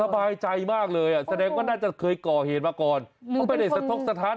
พระมายใจมากเลยแสดงว่าเคยก่อเหตุมาก่อน